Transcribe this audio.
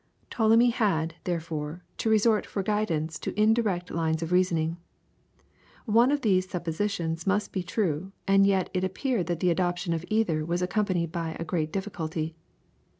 Ptolemy had, therefore, to resort for guidance to indirect lines of reasoning. One of these suppositions must be true, and yet it appeared that the adoption of either was accompanied by a great difficulty.